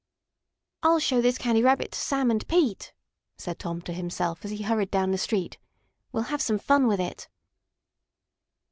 "I'll show this Candy Rabbit to Sam and Pete," said Tom to himself, as he hurried down the street. "We'll have some fun with it."